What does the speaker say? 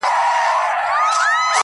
منظومه ترجمه: عبدالباري جهاني!